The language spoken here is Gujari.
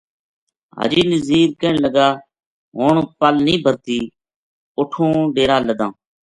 حاجی نزیر کہن لگا ہن پَل نیہہ برہتی اُٹھوں ڈیرا لداں